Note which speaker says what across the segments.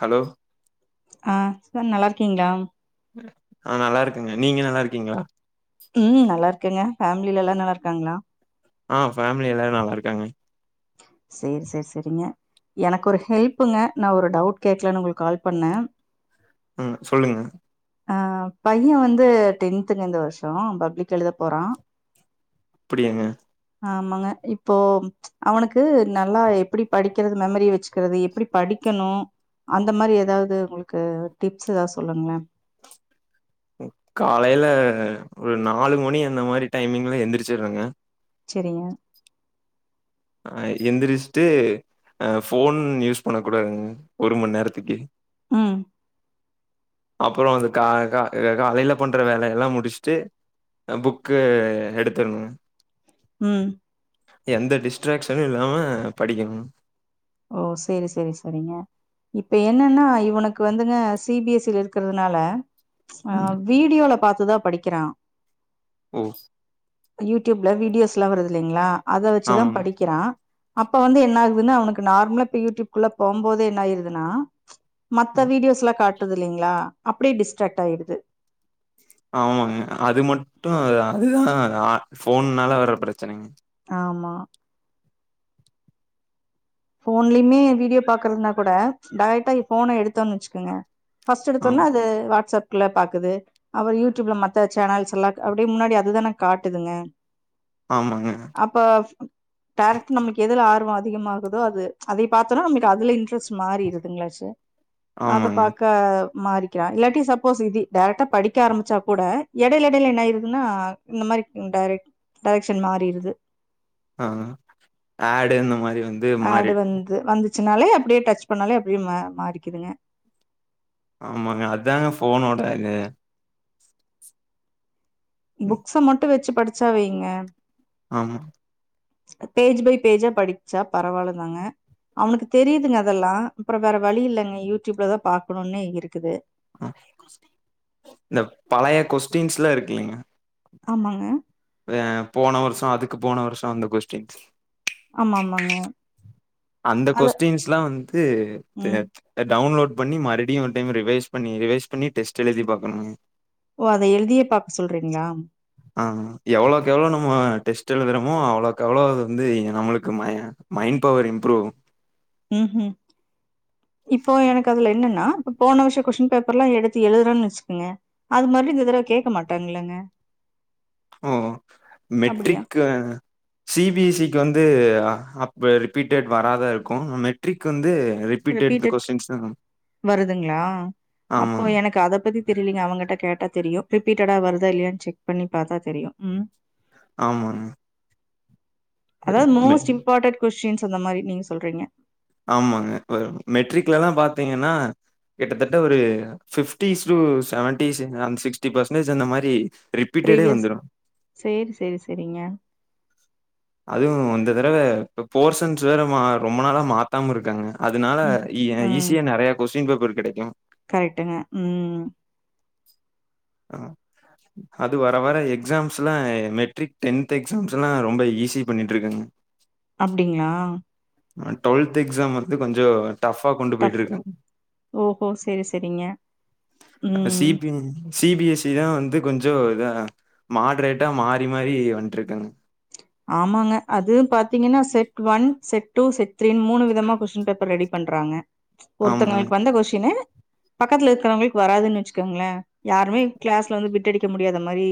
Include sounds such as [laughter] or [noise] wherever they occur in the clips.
Speaker 1: Hello
Speaker 2: ஆ sir நல்லா இருக்கீங்களா
Speaker 1: ஆ நல்லா இருக்கேங்க நீங்க நல்லா இருக்கீங்களா
Speaker 2: ம் நல்லா இருக்கேங்க ஃபேமிலில எல்லா நல்லா இருக்காங்களா
Speaker 1: ஆ ஃபேமிலி எல்லாரு நல்லா இருக்காங்க
Speaker 2: செரி செரி செரிங்க எனக்கு ஒரு ஹெல்ப்புங்க நா ஒரு டவுட் கேட்கலானு உங்களுக்கு கால் பண்ணே
Speaker 1: ம் சொல்லுங்க
Speaker 2: அ பைய வந்து டென்த்துங்க இந்த வருஷோ பப்ளிக் எழுத போறா [inaudible]
Speaker 1: அப்டியாங்க
Speaker 2: ஆமாங்க இப்போ ச் அவனுக்கு நல்லா எப்டி படிக்கிறது மெமரி வச்சுக்கிறது எப்டி படிக்கனு அந்த மாரி ஏதாது ஒங்களுக்கு டிப்ஸ் ஏதா சொல்லுங்ளே
Speaker 1: காலைல ஒரு நாலு மணி அந்த மாரி டைமிங்ல எந்திரிச்சிற்றேங்க
Speaker 2: செரிங்க
Speaker 1: அ எந்திரிச்சுட்டு அ ஃபோன் யூஸ் பண்ண கூடாதுங்க ஒரு மணி நேரத்துக்கு
Speaker 2: ம்
Speaker 1: அப்பறொ அது கா கா கா காலைல பண்ற வேலயெல்லா முடிச்ட்டு எ புக்கு எடுத்துர்னு
Speaker 2: ம்
Speaker 1: எந்த டிஸ்ட்ராக்ஷனு இல்லாம படிக்குனு
Speaker 2: ஓ செரி செரி செரிங்க இப்ப என்னன்னா இவனுக்கு வந்துங்க சி பி எஸ் சில இருக்றதுனால அ
Speaker 1: ம்
Speaker 2: வீடியோல பாத்துதா படிக்கிறா
Speaker 1: ஓ
Speaker 2: யூ டியூ ப்ல வீடியோஸ்லா வருது இல்லிங்ளா அத வச்சுதா
Speaker 1: ஆமாங்க
Speaker 2: படிக்கிறா அப்ப வந்து என்ன ஆகுதுனா அவனுக்கு நார்மலா இப்ப யூ டிப் குள்ள போம்போதே என்ன ஆயிருதுனா
Speaker 1: அ
Speaker 2: மத்த வீடியோஸ்லா காட்டுது இல்லிங்ளா அப்டியே டிஸ்ட்ராக்ட் ஆயிடுது
Speaker 1: ஆமாங்க அது மட்டு அதுதா ஆ ஃபோன்னால வர்ற பிரச்சனங்க
Speaker 2: ஆமா ஃபோன்லயுமே வீடியோ பாக்குறதுனா கூட டைரக்டா ஃபோன எடுத்தோன்னு வச்சுக்குங்க ஃபர்ஸ்ட்டு எடுத்தோனா
Speaker 1: ஆமா
Speaker 2: அது வாடஸ்அப் குல்ல பாக்குது அப்பற யூ ட்யூ ப்ல மத்த சேனல்ஸ் ல்லா அப்டியே முன்னாடி அதுதான காட்டுதுங்க
Speaker 1: ஆமாங்க
Speaker 2: அப்ப டேரக்ட் நமக்கு எதுல ஆர்வொ அதிகமா குதோ அது அதய பாத்தோன நம்ளுக்கு அதுல இன்டரஸ்ட் மாரிருதுங்ளாச்சே அத
Speaker 1: ஆமாங்க.
Speaker 2: பாக்க க மாறிக்கிறா இல்லாட்டி சப்போஸ் இது டேரக்டா படிக்க ஆரம்மிச்சா கூட எடல எடயில என்னாயிருதுன்னா இந்த மாரி டேரக்ட் டேரெக்ஷ்ன் மாறிருது
Speaker 1: ஆ ஆடு அந்த மாரி வந்து மாறி
Speaker 2: ஆடு வந்து வந்துச்சுனாலே அப்டியே டச் பண்ணாலே அப்டியே மா மாறிக்குதுங்க
Speaker 1: ஆமாங்க அதாங்க ஃபோனோட இது
Speaker 2: புக்ஸ மட்டு வெச்சு படிச்சாவைங்க
Speaker 1: ஆமா
Speaker 2: பேஜ் பை பேஜா படிச்சா பரவால்ல தாங்க அவனுக்கு தெரியுதுங்க அதெல்லா அப்பறொ வேற வழி இல்லங்க யூ ட்யூப்ல தா பாக்கனுன்னே இருக்குது
Speaker 1: இந்த பழைய கொஸ்டின்ஸ்லா இருக்குல்லீங்க
Speaker 2: ஆமாங்க
Speaker 1: அ போன வருஷொ அதுக்கு போன வருஷொ அந்த கொஷ்டின்ஸ்
Speaker 2: ஆமா ஆமாங்க
Speaker 1: அந்த
Speaker 2: அத
Speaker 1: கொஸ்டின்ஸ்லா வந்து
Speaker 2: ம்
Speaker 1: தேத் ட டவுன்லோட் பண்ணி மறுடியு ஒரு டைம் ரிவைஸ் பண்ணி ரிவைஸ் பண்ணி டெஸ்ட் எழுதி பாக்கனுங்க
Speaker 2: ஓ அத எழுதியே பாக்க சொல்றீங்ளா
Speaker 1: ஆ எவ்வளோக்கு எவ்ளோ நம்மோ டெஸ்ட் எழுதுறோமோ அவ்ளோக்கு அவ்ளோ அது வந்து நம்ளுக்கு மய மைண்ட் பவர் இம்ப்ரூவ்வு
Speaker 2: ம்ஹும் இப்போ எனக்கு அதுல என்னன்னா இப்ப போன வருஷொ கொஸ்டின் பேப்பர்ல்லா எடுத்து எழுதுறேன்னு வச்சுக்குங்க அது மறுடி இந்த தடவ கேக்க மாட்டாங்கல்லங்க
Speaker 1: ஓ
Speaker 2: அப்டியா
Speaker 1: மெட்ரிக்கு சி பி எஸ்சி க்கு வந்து அப் ரிப்பீட்டட் வராதா இருக்கூ மெட்ரிக் வந்து ரிப்
Speaker 2: ரிப்பீட்டட் வருதுங்ளா அப்போ
Speaker 1: ஆமாங்க,
Speaker 2: எனக்கு அத பத்தி தெரிலிங்க அவங்கட்ட கேட்டா தெரியு ரிப்பீட்டடா வருதா இல்லையான் செக் பண்ணி பாத்தா தெரியு ம்
Speaker 1: ஆமாங்க
Speaker 2: அதாவ்து
Speaker 1: மெ
Speaker 2: மோஸ்ட் இம்பாட்டன்ட் கொஸ்டின்ஸ் அந்த மாரி நீங்க சொல்றீங்க
Speaker 1: ஆமாங்க வேற் மெட்ரிக்லெல்லா பாத்தீங்கன்னா கிட்டத்தட்ட ஒரு ஃபிஃப்டிஸ் டூ செவன்ட்டிஸ் இந்த அந்த சிக்ஸ்ட்டி பர்சன்டேஜ் அந்த மாதிரி ரிப்
Speaker 2: ப்ரீவியஸ் சேரி சேரி செரிங்க
Speaker 1: அதுவு இந்த தடவ இப்ப போர்சன்ஸ் வேற மா ரொம்ப நாளா மாத்தாம இருக்காங்க அதுனால
Speaker 2: ம்
Speaker 1: இ எ
Speaker 2: ம்
Speaker 1: ஈஸியா நெறைய கொஸ்டின் பேப்பர் கெடைக்கு
Speaker 2: கரெக்ட்டுங்க ம்
Speaker 1: ஆ அது வர வர எக்ஸாம்ஸ் எல்லா மெட்ரிக் டென்த் எக்ஸாம்ஸ் எல்லா ரொம்ப ஈஸி பண்ணிட்ருக்காங்க
Speaker 2: அப்டிங்ளா
Speaker 1: ஆ டொல்த் எக்ஸாம் வந்து கொஞ்சோ டஃப்ஃபா கொண்டு
Speaker 2: டஃப்
Speaker 1: போய்ட்ருக்காங்
Speaker 2: ஓஹோ சேரி சேரிங்க
Speaker 1: அந்த
Speaker 2: ம்
Speaker 1: சி பி எம்மே சி பி எஸ் சி தா வந்து கொஞ்சோ இதா மாட்ரேட்டா மாறி மாறி வந்ட்ருக்காங்க
Speaker 2: ஆமாங்க அதுவு பாத்தீங்கன்னா set one set two set த்ரின் மூணு விதமா கொஸ்டின் பேப்பர் ரெடி பண்றாங்க
Speaker 1: ஆமாங்க.
Speaker 2: ஒருத்தங்ளுக் வந்த கொஸ்டினு பக்கத்துல இருக்கறவ்ங்ளுக் வராதுன் வெச்சுக்கங்ளே யாருமே கிளாஸ்ல வந்து பிட்டடிக்க முடியாத மாரி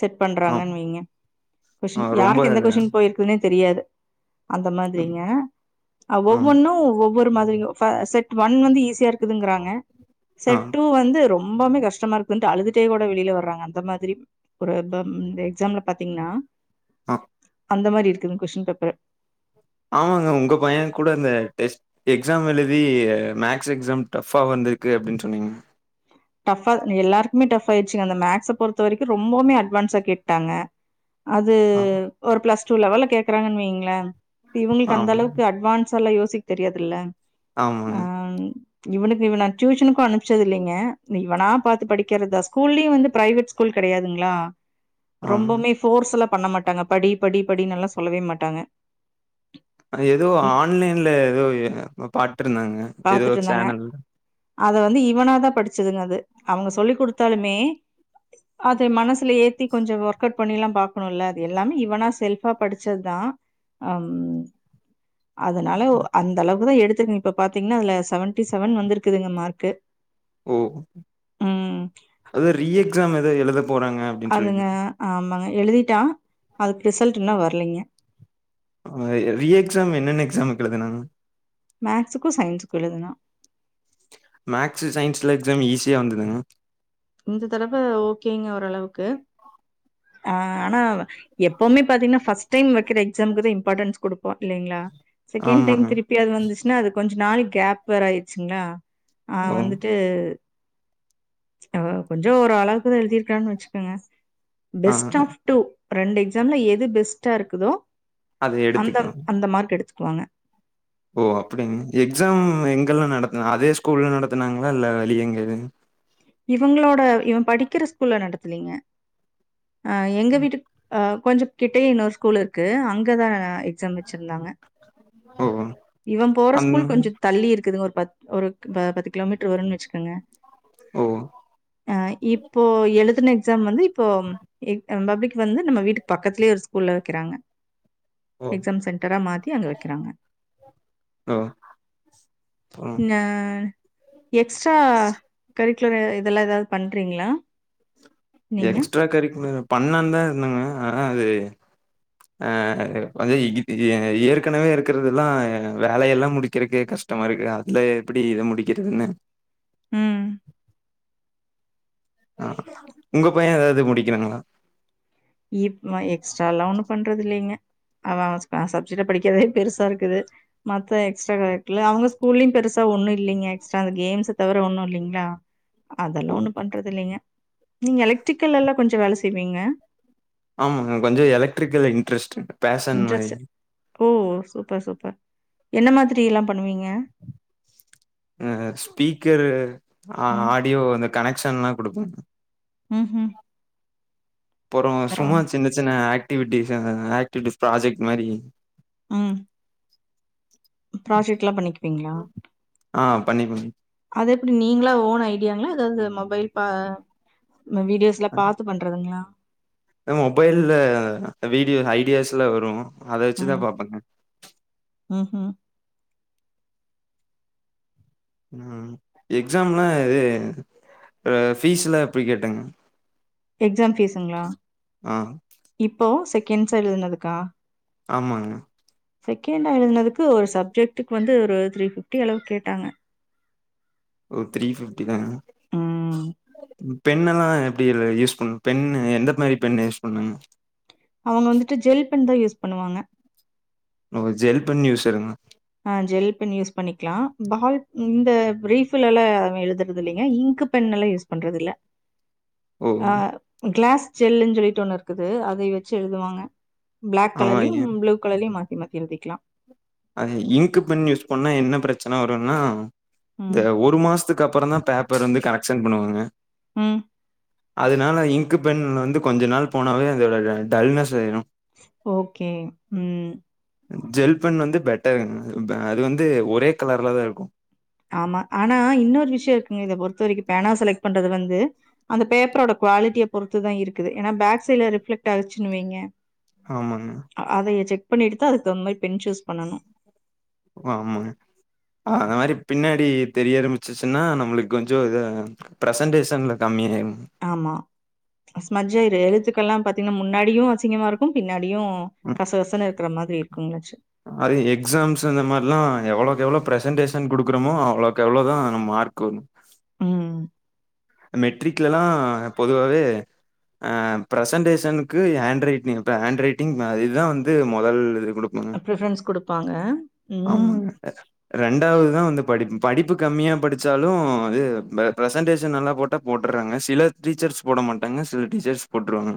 Speaker 2: செட்
Speaker 1: ஆமா.
Speaker 2: பண்றாங்கன் வெய்ங்க
Speaker 1: ஆ ரொம்ப
Speaker 2: யாருக் எந்த கொஸ்டின் போயிருக் குன்னே தெரியாது அந்த
Speaker 1: ம்.
Speaker 2: மாதிரிங்க அ
Speaker 1: ஆ.
Speaker 2: ஒவ்வொன்னு ஒவ்வொ ரு மாதிரிங்க ஃப செட் ஒன் வந்து ஈஸியா இருக்குதுங்றாங்க
Speaker 1: ஆ.
Speaker 2: செட் டூ வந்து ரொம் பவ்மே கஷ்டமா இருக்குன்ட்டு அழுதுட்டே கூட வெளில வர்றாங்க அந்த மாதிரி ஒரு பம் இந்த எக்ஸாம்ல பாத்தீங்ன்னா
Speaker 1: ஆ
Speaker 2: அந்த மாரி இருக்குங் கொஸ்டின் பேப்பர்
Speaker 1: ஆமாங்க உங்க பையங்கூட அந்த டெஸ்ட் எக்ஸாம் எழுதி அ மேக்ஸ் எக்ஸாம் டஃப்ஃபா வந்திருக்கு அப்டின் சொன்னீங்க
Speaker 2: டஃப்ஃபா ம் எல்லார்க்குமே டஃப் ஆய்ருச்சுங்க அந்த மேக்ஸ பொறுத்த வரைக்கு ரொம்பவ்மே அட்வான்ஸா கேட்டாங்க அது
Speaker 1: ஆ.
Speaker 2: ஒரு ப்ளஸ் டூ லெவல்ல கேக்கறாங்கன் வெய்ங்ளே இவுங்ளுக்கு
Speaker 1: ஆமா.
Speaker 2: அந்தளவுக்கு அட்வான்ஸால்லா யோசிக் தெரியாதுல்ல ஆ
Speaker 1: ஆமாங்க.
Speaker 2: ம் இவுனுக்கு இவுன நா ட்யூஷனுக்கு அனுப்ச்சதில்லைங்க ம் இவனா பாத்து படிக்கிறதா ஸ்கூல்லயு வந்து ப்ரைவேட் ஸ்கூல் கெடையாதுங்ளா
Speaker 1: ஆமா.
Speaker 2: ரொம்பவ்மே ஃபோர்ஸ் எல்லா பண்ண மாட்டாங்க படி படி படின்னெல்லா சொல்லவே மாட்டாங்க
Speaker 1: அது எதோ ஆன்லைன்ல எதோ எ என்னமோ பாட்ருந்தாங்க எதோ
Speaker 2: பாத்துட்டு இருந்தாங்க
Speaker 1: சேனல்
Speaker 2: அத வந்து இவனாதா படிச்சதுங்க அது அவங்க சொல்லி் குடுத்தாலுமே அதை மனசுல ஏத்தி கொஞ்சோ ஒர்க் அவுட் பண்ணி எல்லா பாக்கணுல்ல அது எல்லாமே இவனா செல்ஃபா படிச்சதுதா அம் அதனால அ அந்தளவுக் தா எடுத்திருக்குங் இப்ப பாத்தீங்ன்னா அதுல செவன்ட்டி செவன் வந்திருக்குதுங்க மார்க்கு
Speaker 1: ஓ
Speaker 2: ம்.
Speaker 1: அதா ரீஎக்ஸாம் எதோ எழுத போறாங்க அப்டின் சொல்லீர்ந்தீங்
Speaker 2: அ ஆமாங்க எழுதிட்டா அதுக் ரிசல்ட் இன்னு வர்லீங்க
Speaker 1: அவுங்க ரீஎக்ஸாம் என்னென்ன எக்ஸாம்க் எழுதுனாங்க
Speaker 2: மேக்ஸுக்கு சயின்ஸுக்கு எழுதுனா
Speaker 1: மேக்ஸு சயின்ஸ்ல எக்ஸாம் ஈஸியா வந்துதுங்க
Speaker 2: இந்த தடவ ஓகேங்க ஓரளவுக்கு ஆ ஆனா எப்பவ்மே பாத்தீங்னா ஃபஸ்ட் டைம் வெக்கிற எக்ஸாம்க்கு தா இம்பாட்டன்ஸ் குடுப்போ இல்லைங்ளா செகண்ட் டைம்
Speaker 1: ஆமாங்க.
Speaker 2: திருப்பி அது வந்துஸ்னா அது கொஞ்ச நாள் கேப் வேற ஆயிர்ச்சுங்ளா ஆ
Speaker 1: ஓ!
Speaker 2: வந்துட்டு அ கொஞ்சோ ஒரு அளவுக்குதா எழுதிருக்கிறான் வச்சுக்கங்க
Speaker 1: ஆ
Speaker 2: பெஸ்ட் ஆஃப் டூ ரெண்டு எக்ஸாம்ல எது பெஸ்ட்டா இருக்குதோ
Speaker 1: அத
Speaker 2: அந்த
Speaker 1: எடுத்துக்கலாம்.
Speaker 2: அந்த மார்க் எடுத்துக்வாங்க
Speaker 1: ஓ அப்படின் எக்ஸாம் எங்கெல்லா நடத்ன அதே ஸ்கூல்ல நடத்துனாங்ளா இல்ல வெளிய எங்காது
Speaker 2: இவங்களோட இவன் படிக்கிற ஸ்கூல்ல நடத்துலீங்க அ எங்க வீட்டுக் அ கொஞ்ச கிட்டே இன்னொரு ஸ்கூல் இருக்கு அங்க தா எக்ஸாம் வச்சிருந்தாங்க
Speaker 1: ஓ!
Speaker 2: இவ போற
Speaker 1: அந்
Speaker 2: ஸ்கூல் கொஞ்சம தள்ளி இருக்குதுங்க ஒரு பத் ஒரு ப பத்து கிலோமீட்டர் வருன் வச்கங்க
Speaker 1: ஓ!
Speaker 2: அ இப்போ எழுதுன எக்ஸாம் வந்து இப்போ இப் அ பப்ளிக் வந்து நம்ம வீட்டுக் பக்கத்லே ஒரு ஸ்கூல்ல வக்கிறாங்க
Speaker 1: ஓ!
Speaker 2: எக்ஸாம் சென்டரா மாத்தி அங்க வக்கிறாங்க
Speaker 1: ஓ! ம்.
Speaker 2: நா எக்ஸ்ட்ரா கரிக்குலர் இதெல்லா ஏதாவத் பண்றீங்ளா
Speaker 1: எக்ஸ்ட்ரா கரிக்குலர் பண்லா தா இருந்தாங்க ஆனா அது ஆ கொஞ்ச இது ஏற்கனவே இருக்கறதுல்லா வேலையெல்லா முடிக்கறக்கே கஷ் டமா இருக்கு அதுல எப்டி இத முடிக்கிறதுன்னு
Speaker 2: ம்
Speaker 1: ஆ உங்க பைய ஏதாவது முடிக்கணுங்ளா
Speaker 2: இப் எக்ஸ்ட்ரால ஒன்னு பண்றது இல்லைங்க அவன் அவ சப்ஜெக்ட்ட படிக்கறதே பெருசா இருக்குது மத்த எக்ஸ்ட்ரா கரிகுல அவுங்க ஸ்கூல்லியு பெருசா ஒன்னு இல்லைங்க எக்ஸ்ட்ரா அந்த கேம்ஸ்ச தவிர ஒண்ணு இல்லைங்ளா
Speaker 1: ஓ!
Speaker 2: அதெல்லா ஒண்ணு பண்றது இல்லைங்க நீங்க எலக்ட்ரிக்கல்லல்லா கொஞ்ச வேல செய்வீங்க
Speaker 1: ஆமாங்க கொஞ்ச எலக்ட்ரிக்கல்ல இன்ட்ரெஸ்ட்டுங்க
Speaker 2: இன்ட்ரெஸ்ட் ஓ சூப்பர் சூப்பர் என்ன மாதிரி எல்லா பண்ணுவீங்க
Speaker 1: அ ஸ்பீக்கரு
Speaker 2: ம்.
Speaker 1: ஆடியோ அந்த கனெக்ஷன்லா குடுப்பங்க
Speaker 2: ம் ஹூ
Speaker 1: அப்புறோ சும்மா சின்ன சின்ன ஆக்டிவிட்டிஸ் ஆக்டிவிட்டிஸ் ப்ராஜெக்ட் மாரி
Speaker 2: ம் ப்ராஜெக்ட்லா பண்ணிக்வீங்ளா
Speaker 1: ஆ பண்ணிப்பேங்
Speaker 2: அது எப்டி நீங்ளா ஓன் ஐடியாங்ளா ஏதாவது மொபைல் பா வீடியோஸ் இல்ல பாத்து பண்றதுங்ளா
Speaker 1: மொபைல்ல வீடியோஸ் ஐடியாஸ்லா வரு அத வச்சுதா பாப்பங்க
Speaker 2: ம் ஹூ
Speaker 1: ம் எக்ஸாம்லா இது அ ஃபீஸ்லா எப்டி கெட்டங்
Speaker 2: எக்ஸாம் ஃபீஸ்சுங்ளா
Speaker 1: ஆ
Speaker 2: இப்போ செகண்ட் சார் எழுதுனதுக்கா
Speaker 1: ஆமாங்க
Speaker 2: செகண்ட்டா எழுதுனதுக்கு ஒரு சப்ஜெக்ட்க்கு வந்து ஒரு த்ரீ ஃபிப்டி அளவுக் கேட்டாங்க
Speaker 1: ஓ த்ரீ ஃபிப்டி தான
Speaker 2: ம்
Speaker 1: ம் பெண்ணெல்லா எப்டி யூஸ் பண்ணு பெண்ணு எந்த மாரி பெண்ணு யூஸ் பண்னுங்க
Speaker 2: அவுங்க வந்துட்டு ஜெல் பென் தா யூஸ் பண்ணுவாங்க
Speaker 1: நா ஒரு ஜெல் பென் யூஸ்சருங்க
Speaker 2: ஆ‌ ஜெல் பென் யூஸ் பண்ணிக்கலா பால் இந்த ரீஃப்ல எல்லா அவே எழுதுறது இல்லைங்க இங்கு பென் எல்லா யூஸ் பண்றது இல்ல
Speaker 1: ஓ!
Speaker 2: அ கிளாஸ் ஜெல்லுன்னு சொல்லிட்டு ஒன்னு இருக்குது அத வெச்சக எழுதுவாங்க பிளாக்
Speaker 1: ஆமாங்க.
Speaker 2: கலர்லேயு ப்ளூ கலர்லயு மாத்தி மாத்தி எழுதிக்கலா
Speaker 1: அது இங்க் பெண் யூஸ் பண்ணா என்ன பிரச்சன வரும்னா இந்த
Speaker 2: ம்
Speaker 1: ஒரு மாசத்துக்கு அப்பறோ தா பேப் பேப்பர் வந்து கரெக்ஷன் பண்ணுவாங்க
Speaker 2: ம்
Speaker 1: அதனால இங்க் பென் வந்து கொஞ்ச நாள் போனாவே அதோட டல்னஸ் ஆயிடு
Speaker 2: ஓகே ம்
Speaker 1: ஜெல் பென் வந்து பெட்டரு அது வந்து ஒரே கலர்ல தா இருக்கு
Speaker 2: ஆமா ஆனா இன்னொரு விஷயோ இருக்குங்க இத பொறுத்த வரைக்கு பேனா செலக்ட் பண்றது வந்து அந்த பேப்பரோட குவாலிட்டிய பொறுத்து தா இருக்குது ஏன்னா பேக் சைட்ல ரிஃப்ளெக்ட் ஆயிருச்சின்னுவைங்க
Speaker 1: ஆமா ஆமா
Speaker 2: அத செக் பண்ணிட்டு தா அதுக்கு தகுந்தா‌ மாரி பென் சூஸ் பண்ணணு
Speaker 1: ஆமா ஆமா அந்த மாரி பின்னாடி தெரிய ஆரம்பிச்சிச்சுன்னா நம்மளுக்கு கொஞ்சோ இதா பிரசன்டேசன்ல கம்மியாயிடும்
Speaker 2: ஆமா ஸ்மட்ஜ் ஆயிரு எழுத்துக்கெல்லா பாத்தீங்கன்னா முன்னாடியும் அசிங்கமா இருக் க்கும் பின்னாடியு
Speaker 1: ம்
Speaker 2: கசகசன்னு இருக்கிற மாதிரி இருக்குங்குன்னு வெச்சி
Speaker 1: அது எக்ஸாம்ஸ் அந்த மாரில்லா எவ்ளோக்கு எவ்ளோ ப்ரெசன்டேஷன் குடுக்குறோமோ அவ்ளோக்கு எவ்ளோதா நம்ம மார்க் வருமா
Speaker 2: ம்
Speaker 1: மெட்ரிக்ல எல்லா பொதுவாவே ஆ பிரென்டேஷனுக்கு ஏ ஹேண்ட் ரைட்டிங் இத்தா ஹேண்ட் ரைட்டிங் அ இதுதா வந்து மொதல் இது குடு
Speaker 2: ப்ரிஃபரன்ஸ் குடுப்பாங்க. ம்.
Speaker 1: ஆமாங்க சார் ரெண்டாவது தா வந்து படிப்பு படிப்பு கம்மியா படிச்சாலு இது பிரசன்டேஷன் நல்லா போட்டா போட்டுட்றாங்க சில டீச்சர்ஸ் போட மாட்டாங்க சில டீச்சர்ஸ் போட்ருவாங்க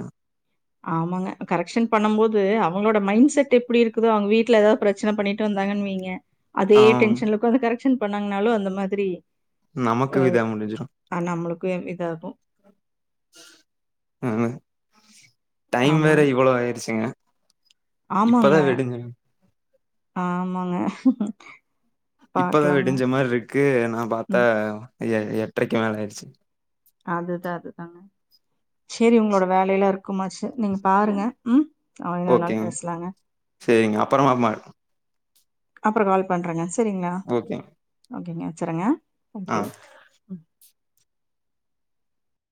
Speaker 2: ஆமாங்க கரெக்ஷன் பண்ணும் போது அவுங்களோட மைண்ட் செட் எப்டி இருக்குதோ அவுங்க வீட்ல ஏதாது பிரச் பிரச்சன பண்ணிட்டு வந்தாங்கன்னு வைங்க அதே
Speaker 1: ஆ
Speaker 2: டென்ஷன்ல ஒட்காந்து கரெக்ஷன் பண்ணாங்கனாலு அந்த மாதிரி
Speaker 1: நமக்கு
Speaker 2: அ
Speaker 1: இதா முடிஞ்சிரும்.
Speaker 2: ஆ நம்ளுக்கு இப்டிதா ஆகு
Speaker 1: ஆங்க டைம் வேற
Speaker 2: ஆமாங்க.
Speaker 1: இவ்ளோ ஆயிருச்சிங்க
Speaker 2: ஆமாங்க ஆமாங்க
Speaker 1: இப்பதா
Speaker 2: பாக்கலாங்க.
Speaker 1: விடிஞ்சா மாரி இருக்கு நா பாத்தா
Speaker 2: ம்.
Speaker 1: எட்ரைக்கு மேல ஆயிடுச்சி
Speaker 2: அதுதா அதுதா சேரி உங்களோட வேலையெல்லா இருக் குமாச்சி நீங்க‌ பாருங்க ம் ஆ இன்னொரு நாள் பேசலாங்க
Speaker 1: சேரிங்க அப்றமா வந்து மாரிக்லா
Speaker 2: அப்றோ கால் பண்றேங்க சேரிங்களா
Speaker 1: ஓகேங்க
Speaker 2: ஓகேங்க வெச்சிட்றேங்க
Speaker 1: ஆ.
Speaker 2: தேங்க்யூ